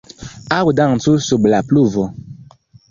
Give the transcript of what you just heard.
Aŭ dancu sub la pluvo!